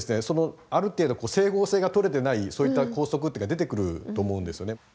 そのある程度整合性が取れてないそういった校則っていうのが出てくると思うんですよね。